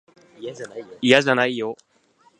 いやじゃないよ。